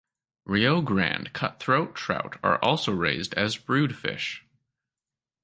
Rio Grande cutthroat trout are also raised as brood fish.